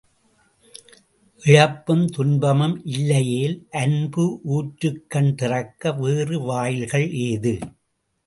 இழப்பும் துன்பமும் இல்லையேல் அன்பு ஊற்றுக்கண் திறக்க வேறு வாயில்கள் ஏது?